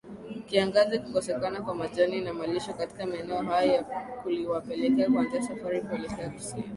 Kiangazi Kukosekana kwa majani ya malisho katika maeneo hayo kuliwapelekea kuanza safari kuelekea kusini